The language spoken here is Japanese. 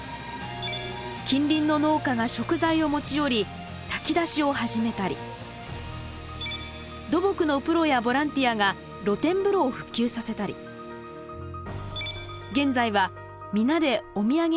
近隣の農家が食材を持ち寄り炊き出しを始めたり土木のプロやボランティアが露天風呂を復旧させたり現在は皆でお土産やスイーツを開発。